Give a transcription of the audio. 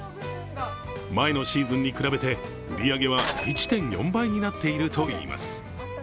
前のシーズンに比べて売り上げは１．４倍になっているといいます。